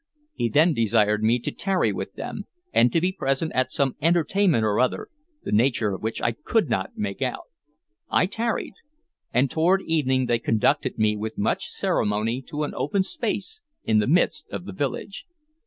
He then desired me to tarry with them, and to be present at some entertainment or other, the nature of which I could not make out. I tarried; and toward evening they conducted me with much ceremony to an open space in the midst of the village.